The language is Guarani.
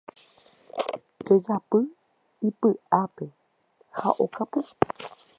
Jajopy ipy'ápe ha okapu.